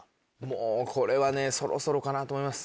もうこれはねそろそろかなと思います。